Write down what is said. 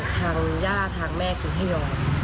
ทางหญ้าแม่คือให้ยอม